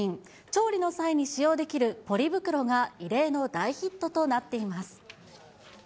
調理の際に使用できるポリ袋が異例の大ヒットとなっています。